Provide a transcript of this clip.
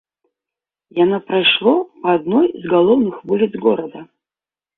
Яно прайшло па адной з галоўных вуліц горада.